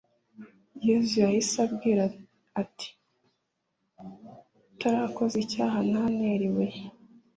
Yezu yahise ababwira ati utarakoze icyaha nantere ibuye